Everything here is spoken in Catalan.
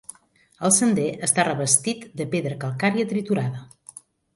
El sender està revestit de pedra calcària triturada.